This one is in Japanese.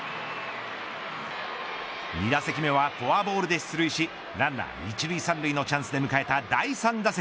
２打席目はフォアボールで出塁しランナー１塁３塁のチャンスで迎えた第３打席。